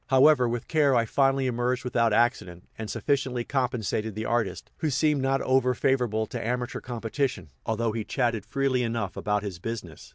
However, with care I finally emerged without accident, and sufficiently compensated the artist, who seemed not over favorable to amateur competition, although he chatted freely enough about his business.